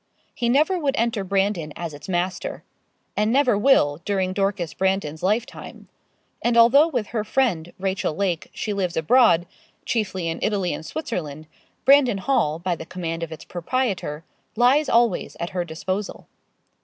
He never would enter Brandon as its master, and never will, during Dorcas Brandon's lifetime. And although with her friend, Rachel Lake, she lives abroad, chiefly in Italy and Switzerland, Brandon Hall, by the command of its proprietor, lies always at her disposal.